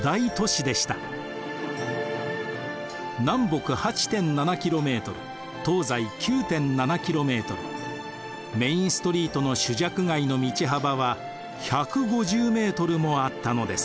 南北８．７ｋｍ東西９．７ｋｍメインストリートの朱雀街の道幅は１５０ｍもあったのです。